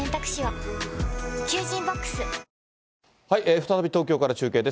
再び東京から中継です。